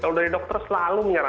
kalau dari dokter selalu menyerah